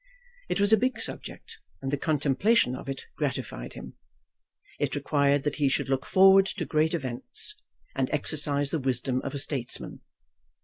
It was a big subject, and the contemplation of it gratified him. It required that he should look forward to great events, and exercise the wisdom of a statesman.